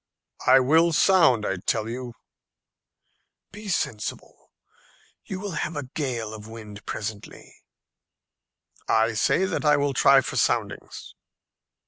"I will sound, I tell you." "Be sensible; you will have a gale of wind presently." "I say that I will try for soundings."